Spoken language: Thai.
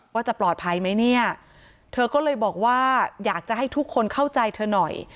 ว่าจะปลอดภัยไหมเนี่ยเธอก็เลยบอกว่าอยากจะให้ทุกคนเข้าใจเธอหน่อย